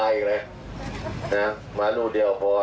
วันนี้เรายังอยู่กับลูกร้านอยู่ไหน